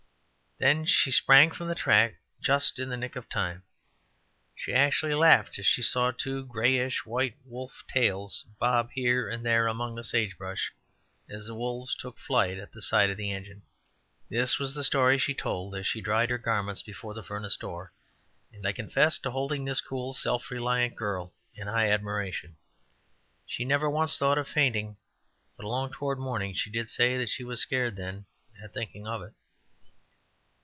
Then she sprang from the track just in the nick of time. She actually laughed as she saw two grayish white wolf tails bob here and there among the sage brush, as the wolves took flight at sight of the engine. This was the story she told as she dried her garments before the furnace door, and I confess to holding this cool, self reliant girl in high admiration. She never once thought of fainting; but along toward morning she did say that she was scared then at thinking of it.